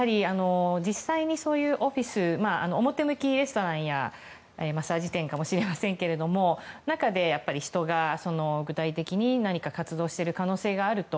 実際に、そういうオフィス表向き、レストランやマッサージ店かもしれませんけど中で、人が具体的に何か活動している可能性があると。